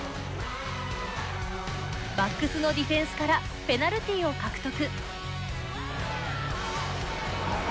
バックスのディフェンスからペナルティを獲得。